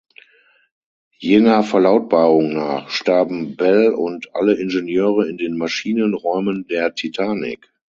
Jener Verlautbarung nach starben Bell und alle Ingenieure in den Maschinenräumen der Titanic.